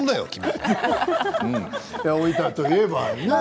大分といえばね